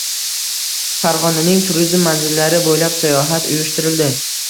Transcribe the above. Farg‘onaning turizm manzillari bo‘ylab sayohat uyushtirildi